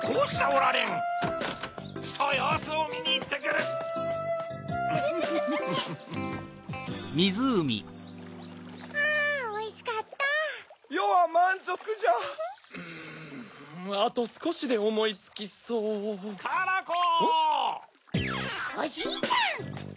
おじいちゃん！